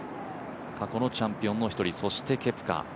過去のチャンピオンの一人、そしてケプカ。